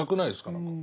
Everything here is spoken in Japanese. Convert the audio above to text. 何か。